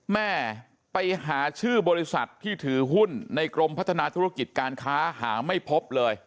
แม่ไปหาชื่อบริษัทที่ถือหุ้นในกรมพัฒนาธุรกิจการค้าหาไม่พบเลย